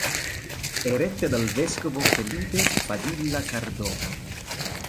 È retta dal vescovo Felipe Padilla Cardona.